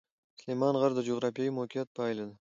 سلیمان غر د جغرافیایي موقیعت پایله ده.